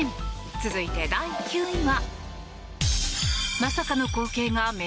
続いて第９位は。